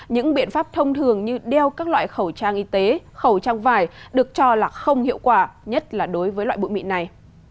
những biện pháp thông thường như đeo các loại khẩu trang y tế khẩu trang vải được cho là không hiệu quả nhất là đối với loại bụi mịn này